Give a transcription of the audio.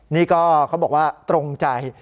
นี่ก็เขาบอกว่าตรงใจ